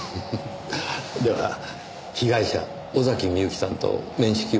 では被害者尾崎美由紀さんと面識は？